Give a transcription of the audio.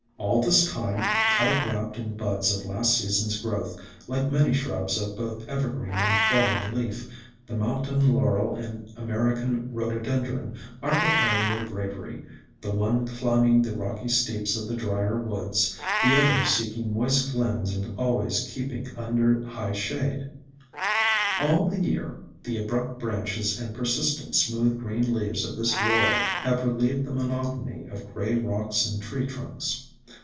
All this time, tight wrapped in buds of last season's growth, like many shrubs of both ever green and falling leaf, the Mountain Laurel and American Rhododendron are preparing their bravery, the one climbing the rocky steeps of the drier woods, the other seeking moist glens and always keeping under high shade. All the year the abrupt branches and persistent smooth green leaves of this Laurel have relieved the monotony of gray rocks and tree trunks.